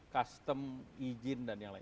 custom izin dan yang lain